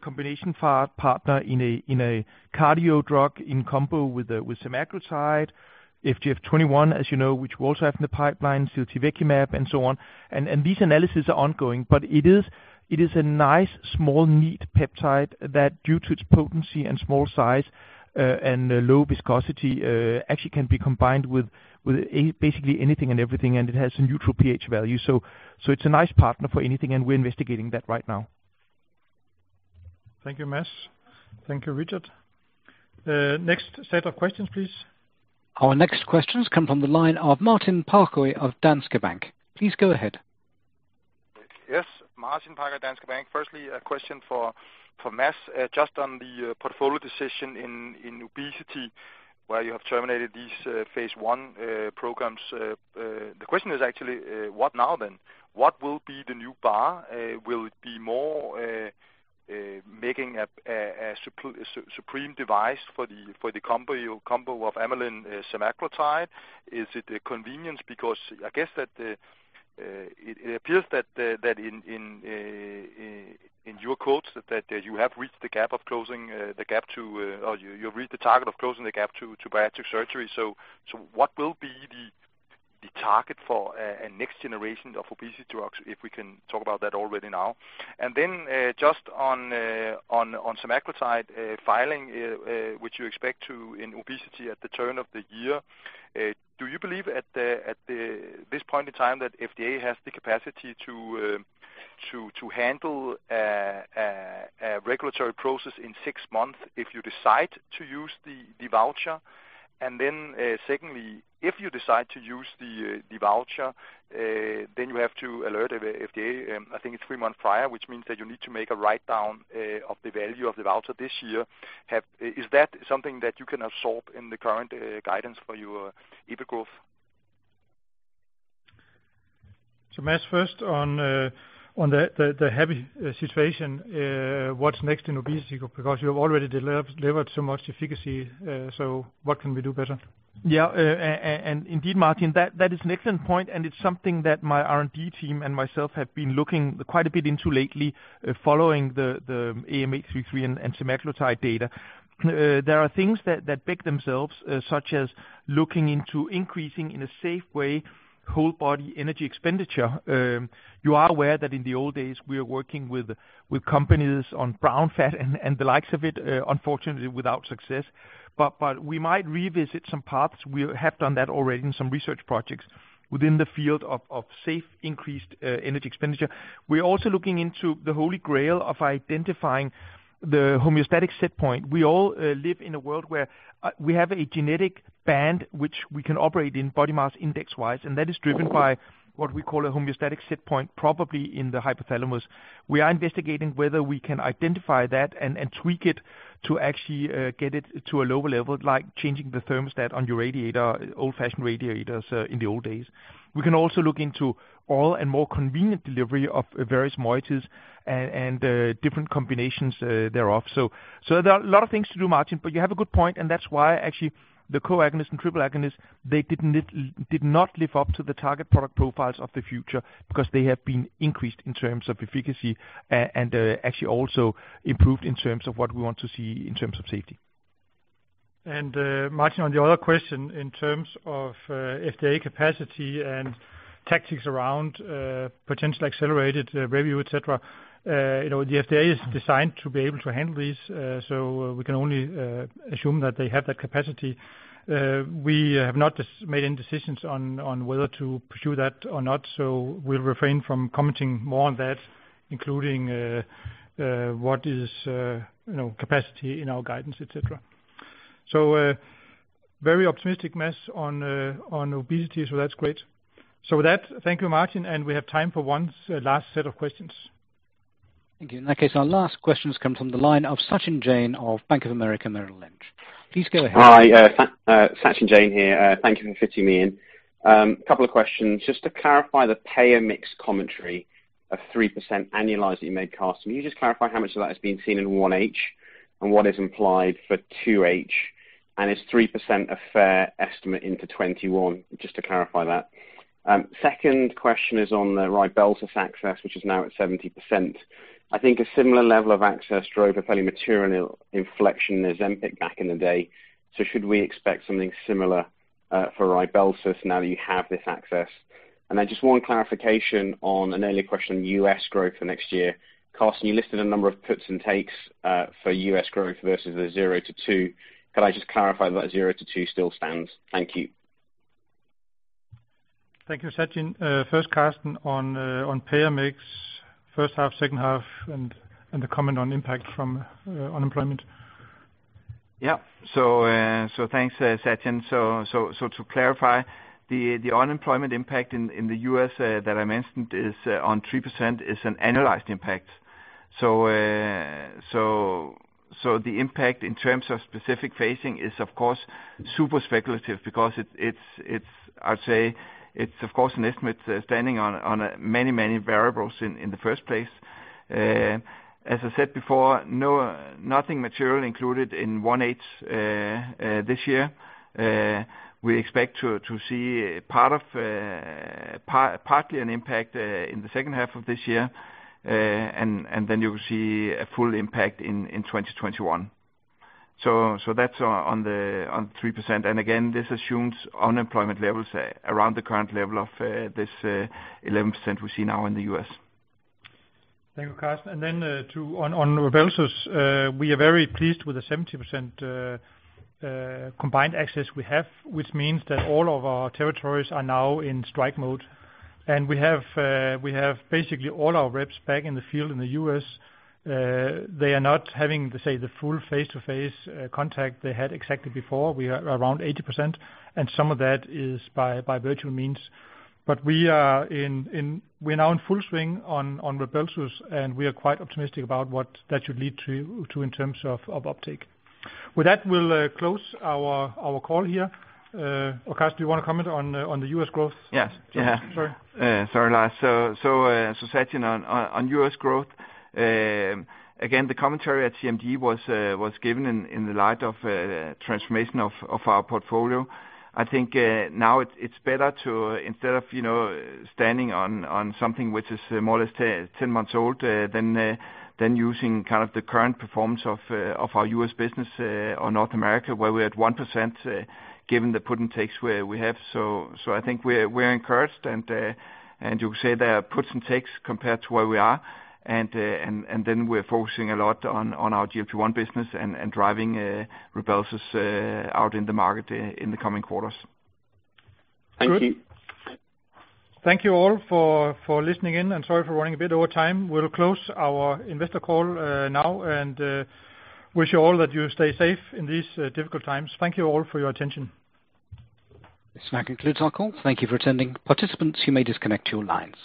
combination partner in a cardio drug in combo with semaglutide? FGF21, as you know, which we also have in the pipeline, zalfermin and so on. These analyses are ongoing, but it is a nice small, neat peptide that due to its potency and small size, and low viscosity, actually can be combined with basically anything and everything, and it has a neutral pH value. It's a nice partner for anything, and we're investigating that right now. Thank you, Mads. Thank you, Richard. Next set of questions, please. Our next questions come from the line of Martin Parkhøi of Danske Bank. Please go ahead. Yes. Martin Parkhøi, Danske Bank. Firstly, a question for Mads. Just on the portfolio decision in obesity, where you have terminated these phase I programs. The question is actually, what now then? What will be the new bar? Will it be more making a supreme device for the combo of amylin semaglutide? Is it a convenience? Because I guess that it appears that in your quotes, that you've reached the target of closing the gap to bariatric surgery. What will be the target for a next generation of obesity drugs, if we can talk about that already now? Just on semaglutide filing, which you expect to in obesity at the turn of the year. Do you believe at this point in time that FDA has the capacity to handle a regulatory process in six months if you decide to use the voucher? Secondly, if you decide to use the voucher, then you have to alert FDA, I think it's three months prior, which means that you need to make a write-down of the value of the voucher this year. Is that something that you can absorb in the current guidance for your EBIT growth? Mads, first on the heavy situation, what's next in obesity? Because you have already delivered so much efficacy, what can we do better? Yeah, indeed, Martin, that is an excellent point, and it's something that my R&D team and myself have been looking quite a bit into lately, following the AM833 and semaglutide data. There are things that beg themselves, such as looking into increasing in a safe way, whole body energy expenditure. You are aware that in the old days we are working with companies on brown fat and the likes of it, unfortunately without success. We might revisit some paths. We have done that already in some research projects within the field of safe increased energy expenditure. We're also looking into the holy grail of identifying the homeostatic set point. We all live in a world where we have a genetic band which we can operate in body mass index-wise, and that is driven by what we call a homeostatic set point, probably in the hypothalamus. We are investigating whether we can identify that and tweak it to actually get it to a lower level, like changing the thermostat on your radiator, old-fashioned radiators in the old days. We can also look into all and more convenient delivery of various moieties and different combinations thereof. There are a lot of things to do, Martin, but you have a good point, and that's why actually the co-agonist and triple agonist, they did not live up to the target product profiles of the future because they have been increased in terms of efficacy and actually also improved in terms of what we want to see in terms of safety. Martin, on the other question in terms of FDA capacity and tactics around potential accelerated review, etc. The FDA is designed to be able to handle these, so we can only assume that they have that capacity. We have not made any decisions on whether to pursue that or not, so we'll refrain from commenting more on that, including what is capacity in our guidance, etc. Very optimistic, Mads, on obesity, so that's great. With that, thank you, Martin, and we have time for one last set of questions. Thank you. In that case, our last questions come from the line of Sachin Jain of Bank of America Merrill Lynch. Please go ahead. Hi, Sachin Jain here. Thank you for fitting me in. Couple of questions, just to clarify the payer mix commentary of 3% annualized that you made, Karsten, can you just clarify how much of that is being seen in 1H, and what is implied for 2H? Is 3% a fair estimate into 2021? Just to clarify that. Second question is on the Rybelsus access, which is now at 70%. I think a similar level of access drove a fairly material inflection in Ozempic back in the day. Should we expect something similar for Rybelsus now that you have this access? Just one clarification on an earlier question, U.S. growth for next year. Karsten, you listed a number of puts and takes for U.S. growth versus the 0%-2%. Could I just clarify that 0%-2% still stands? Thank you. Thank you, Sachin. First Karsten on payer mix, first half, second half, and the comment on impact from unemployment? Thanks, Sachin. To clarify, the unemployment impact in the U.S. that I mentioned on 3% is an annualized impact. The impact in terms of specific phasing is of course super speculative because it's of course an estimate standing on many variables in the first place. As I said before, nothing material included in 1H this year. We expect to see partly an impact in the second half of this year. You will see a full impact in 2021. That's on the 3%. Again, this assumes unemployment levels around the current level of this 11% we see now in the U.S. Thank you, Karsten. On Rybelsus, we are very pleased with the 70% combined access we have, which means that all of our territories are now in strike mode. We have basically all our reps back in the field in the U.S. They are not having, say, the full face-to-face contact they had exactly before. We are around 80%, and some of that is by virtual means. We are now in full swing on Rybelsus, and we are quite optimistic about what that should lead to in terms of uptake. With that, we will close our call here. Karsten, do you want to comment on the U.S. growth? Yeah. Sorry. Sorry, Lars. Sachin on U.S. growth, again, the commentary at CMD was given in the light of transformation of our portfolio. I think now it's better to, instead of standing on something which is more or less 10 months old than using kind of the current performance of our U.S. business or North America, where we're at 1% given the puts and takes where we have. We're encouraged and you could say there are puts and takes compared to where we are. We're focusing a lot on our GLP-1 business and driving Rybelsus out in the market in the coming quarters. Thank you. Thank you all for listening in and sorry for running a bit over time. We'll close our investor call now and wish you all that you stay safe in these difficult times. Thank you all for your attention. This now concludes our call. Thank you for attending. Participants, you may disconnect your lines.